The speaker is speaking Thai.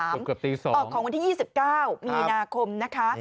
เกือบตี๒ของวันที่๒๙มีนาคมนะคะ